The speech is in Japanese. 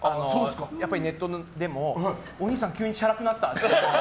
やっぱりネットでも、おにいさん急にチャラくなったって。